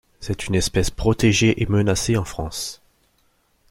C'est une espèce protégée et menacée en France.